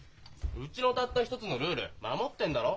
うちのたった一つのルール守ってんだろ。